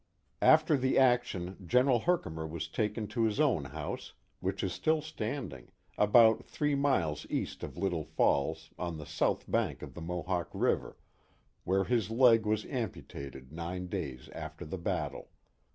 After the action General Herkimer was taken to his own house, which is still standing, about three miles east of Little Falls on the south bank of the Mohawk River, where his leg was amputated nine days after the battle.